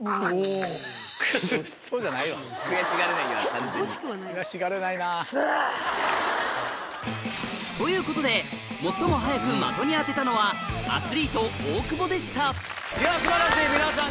悔しがれない完全に。ということで最も早く的に当てたのはアスリート大久保でしたいや素晴らしい皆さん